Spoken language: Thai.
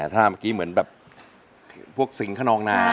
ถ้าเมื่อกี้เหมือนแบบพวกสิงขนองนา